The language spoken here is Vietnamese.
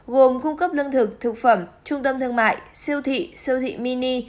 gồm cung cấp lương thực thực phẩm trung tâm thương mại siêu thị siêu thị mini